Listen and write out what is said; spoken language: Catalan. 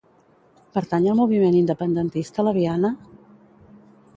Pertany al moviment independentista la Viana?